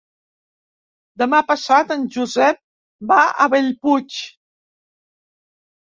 Demà passat en Josep va a Bellpuig.